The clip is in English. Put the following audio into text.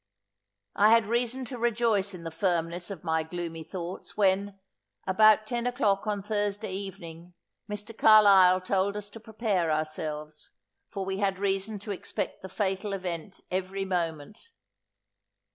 I had reason to rejoice in the firmness of my gloomy thoughts, when, about ten o'clock on Thursday evening, Mr. Carlisle told us to prepare ourselves, for we had reason to expect the fatal event every moment.